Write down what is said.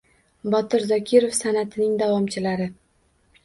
Botir Zokirov san’atining davomchilari